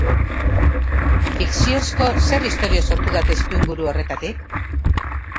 Fikziozko zer istorio sortu da testuinguru horretatik?